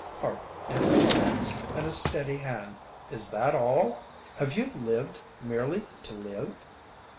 Heart and arteries and a steady hand is that all? Have you lived merely to live?